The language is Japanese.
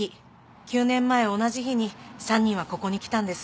９年前同じ日に３人はここに来たんです。